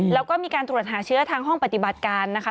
แล้วก็มีการตรวจหาเชื้อทางห้องปฏิบัติการนะคะ